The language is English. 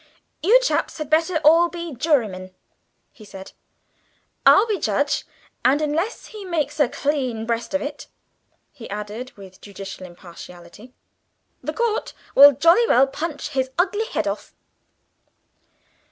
"You chaps had better all be jurymen," he said. "I'll be judge, and unless he makes a clean breast of it," he added with judicial impartiality, "the court will jolly well punch his ugly young head off."